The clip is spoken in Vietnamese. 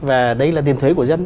và đấy là tiền thuế của dân